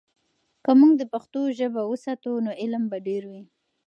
که موږ د پښتو ژبه وساتو، نو علم به ډیر وي.